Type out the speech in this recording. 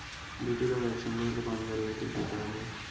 দুটি রোগ একসঙ্গে হলে কনজারভেটিভ দিতে হবে।